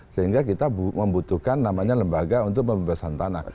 sehingga kita membutuhkan namanya lembaga untuk pembebasan tanah